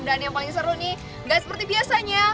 dan yang paling seru nih tidak seperti biasanya